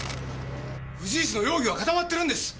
藤石の容疑は固まってるんです！